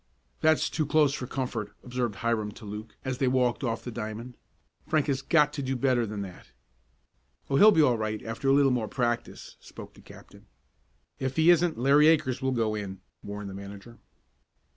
"That's too close for comfort," observed Hiram to Luke, as they walked off the diamond. "Frank has got to do better than that." "Oh, he'll be all right after a little more practice," spoke the captain. "If he isn't Larry Akers will go in," warned the manager.